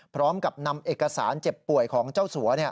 พร้อมกับนำเอกสารเจ็บป่วยของเจ้าสัว